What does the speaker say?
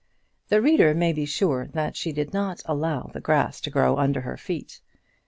The reader may be sure that she did not allow the grass to grow under her feet.